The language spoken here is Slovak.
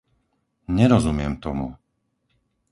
Nerozumiem tomu.